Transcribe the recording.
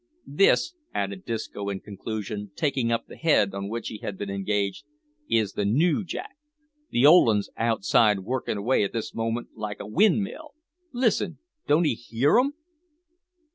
"This," added Disco in conclusion, taking up the head on which he had been engaged, "is the noo jack. The old un's outside working away at this moment like a win' mill. Listen; don't 'ee hear 'em?"